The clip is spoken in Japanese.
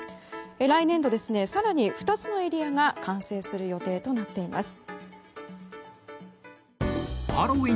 来年度、更に２つのエリアが完成する予定となっています。